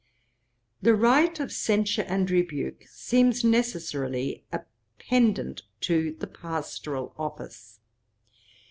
'The right of censure and rebuke seems necessarily appendant to the pastoral office.